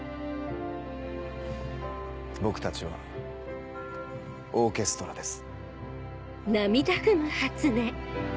僕たちはオーケストラです。